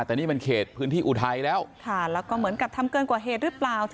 แต่นี่มันเขตพื้นที่อุทัยแล้วค่ะแล้วก็เหมือนกับทำเกินกว่าเหตุหรือเปล่า